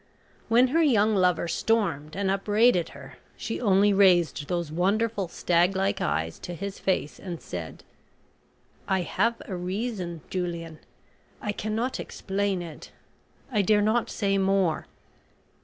When her young lover stormed and upbraided her she only raised those wonderful stag like eyes to his face and said: "I have a reason, Julian. I cannot explain it. I dare not say more.